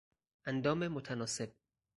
اندام متناسب